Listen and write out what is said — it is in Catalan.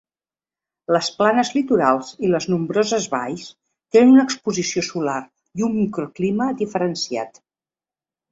Les planes litorals i les nombroses valls tenen una exposició solar i un microclima diferenciat.